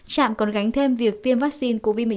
trạm còn gánh thêm việc tiêm vaccine covid một mươi chín